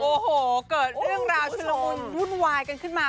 โอ้โหเกิดเรื่องราวชุลมุนวุ่นวายกันขึ้นมา